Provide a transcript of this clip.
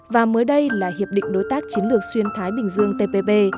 và mới đây là hiệp định đối tác chiến lược xuyên thái bình dương tpp